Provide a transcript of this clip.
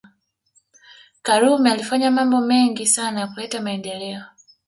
karume alifanya mambo mengo sana ya kuleta maendeleo